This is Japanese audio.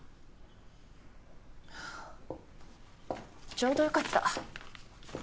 ちょうどよかった。